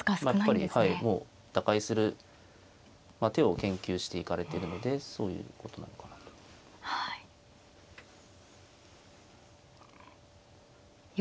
やっぱりはいもう打開する手を研究していかれてるのでそういうことなのかなと。